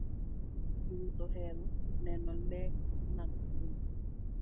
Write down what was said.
Jowuoth ohero neno le mag bungu.